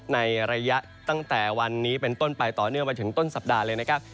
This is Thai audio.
ในระยะตั้งแต่วันนี้เป็นต้นไปต่อเนื่องไปถึงต้นสัปดาห์เลยนะครับ